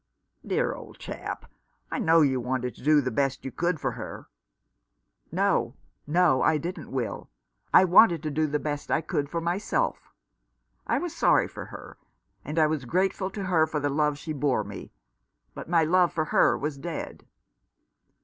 "Dear old chap, I know you wanted to do the best you could for her." "No, no, I didn't, Will. I wanted to do the best I could for myself. I was sorry for her, and I was grateful to her for the love she bore me ; but my love for her was dead."